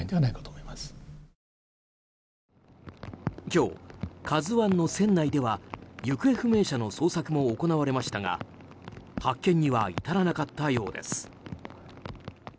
今日、「ＫＡＺＵ１」の船内では行方不明者の捜索も行われましたが発見には至らなかったようです。